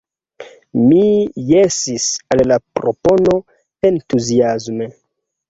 Mi jesis al la propono entuziasme.